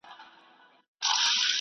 زحمت بریا ته لار هواروي.